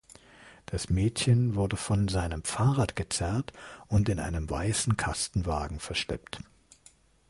Das Mädchen wurde von seinem Fahrrad gezerrt und in einem weißen Kastenwagen verschleppt.